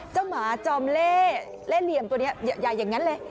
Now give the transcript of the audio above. หมาจอมเล่เล่เหลี่ยมตัวนี้ใหญ่อย่างนั้นเลย